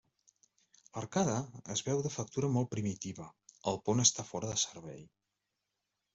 L'arcada es veu de factura molt primitiva, el pont està fora de servei.